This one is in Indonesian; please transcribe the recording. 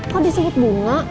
kok disebut bunga